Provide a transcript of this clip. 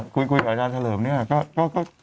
คุยแต่ว่าแหลมอัธาเช้าผมเนี่ย